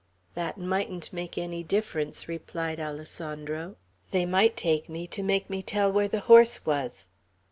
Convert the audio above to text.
"That mightn't make any difference," replied Alessandro. "They might take me, to make me tell where the horse was."